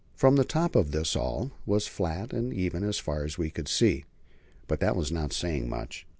From the top of this all was flat and even as far as we could see; but that was not saying much.